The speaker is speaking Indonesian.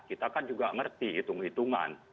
kita kan juga ngerti hitung hitungan